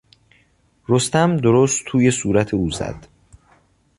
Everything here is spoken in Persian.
رستم درست توی صورت او زد.